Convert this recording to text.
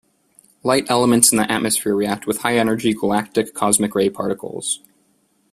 Light elements in the atmosphere react with high energy galactic cosmic ray particles.